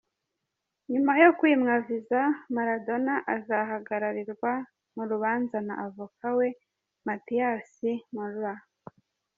Nyuma yo kwimwa Visa, Maradona azahagararirwa mu rubanza na Avoka we, Matías Morla.